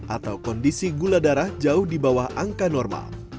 atau kondisi gula darah jauh di bawah angka normal